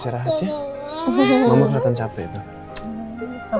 beberapama banget numerous mchair bagaimanapun packaging dit sortir